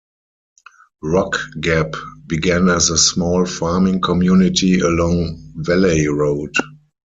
Rock Gap began as a small farming community along Valley Road.